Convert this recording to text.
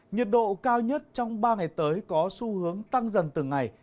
nhiệt độ cao nhất trong ba ngày tới có xu hướng tăng dần từng ngày